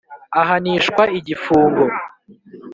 Ahanishwa igifungo.